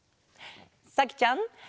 さきちゃん。